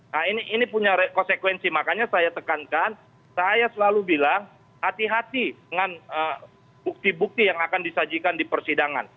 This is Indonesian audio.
nah ini punya konsekuensi makanya saya tekankan saya selalu bilang hati hati dengan bukti bukti yang akan disajikan di persidangan